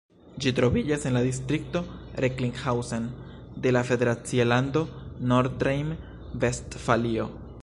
Ĝi troviĝas en la distrikto Recklinghausen de la federacia lando Nordrejn-Vestfalio.